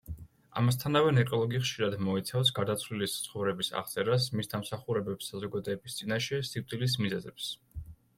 ამასთანავე ნეკროლოგი ხშირად მოიცავს გარდაცვლილის ცხოვრების აღწერას, მის დამსახურებებს საზოგადოების წინაშე, სიკვდილის მიზეზებს.